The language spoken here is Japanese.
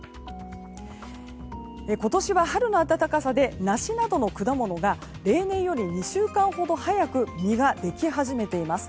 今年は春の暖かさで梨などの果物が例年より２週間ほど早く実ができ始めています。